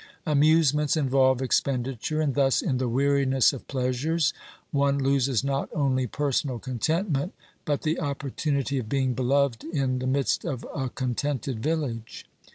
Amusements involve expenditure, and thus in the weariness of pleasures one loses not only per sonal contentment but the opportunity of being beloved in the midst of a contented village.